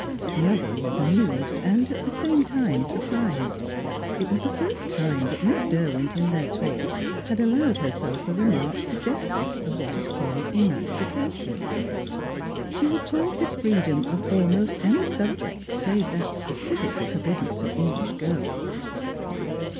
The other was amused, and at the same time surprised. It was the first time that Miss Derwent, in their talk, had allowed herself a remark suggestive of what is called "emancipation." She would talk with freedom of almost any subject save that specifically forbidden to English girls.